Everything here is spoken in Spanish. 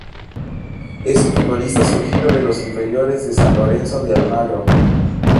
Es un futbolista surgido de la inferiores de San Lorenzo de Almagro.